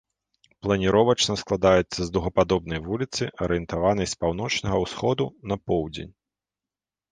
Планіровачна складаецца з дугападобнай вуліцы, арыентаванай з паўночнага ўсходу на поўдзень.